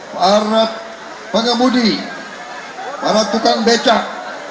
para pengemudi para tukang becak